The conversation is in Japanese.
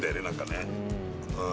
何かね